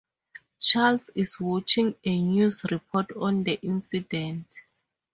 Charles is watching a news report on the incident.